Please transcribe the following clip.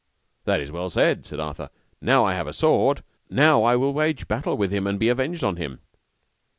That is well said, said Arthur, now have I a sword, now will I wage battle with him, and be avenged on him.